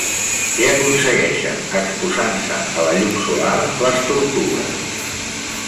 Què aconsegueixen exposant-se a la llum solar les tortugues?